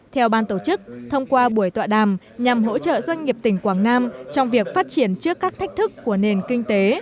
theo ban tổ chức thông qua buổi tọa đàm nhằm hỗ trợ doanh nghiệp tỉnh quảng nam trong việc phát triển trước các thách thức của nền kinh tế